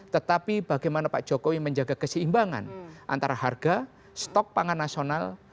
tetapi bagaimana pak jokowi menjaga keseimbangan antara harga stok pangan nasional